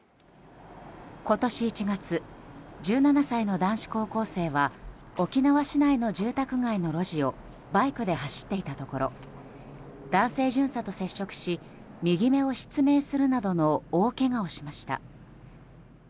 今年１月１７歳の男子高校生は沖縄市内の住宅街の路地をバイクで走っていたところ男性巡査と接触し右目を失明するなどの大けがをしました。